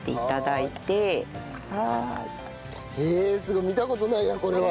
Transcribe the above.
えーっすごい見た事ないやこれは。